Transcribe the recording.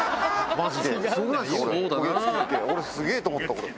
俺すげえと思ったこれ。